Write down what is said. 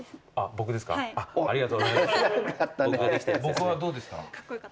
僕はどうですか？